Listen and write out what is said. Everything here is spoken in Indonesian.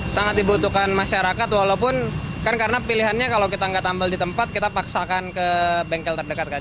sangat dibutuhkan masyarakat walaupun kan karena pilihannya kalau kita nggak tambal di tempat kita paksakan ke bengkel terdekat kan